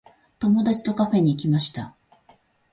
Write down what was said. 友達とカフェに行きました。